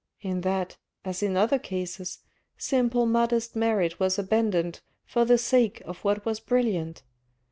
In that, as in other cases, simple modest merit was abandoned for the sake of what was brilliant.